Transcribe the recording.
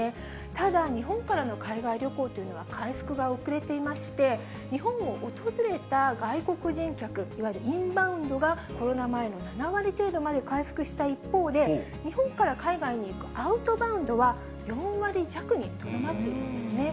ただ、日本からの海外旅行というのは回復が遅れていまして、日本を訪れた外国人客、いわゆるインバウンドが、コロナ前の７割程度まで回復した一方で、日本から海外に行くアウトバウンドは、４割弱にとどまっているんですね。